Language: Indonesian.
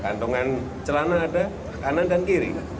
kandungan celana ada kanan dan kiri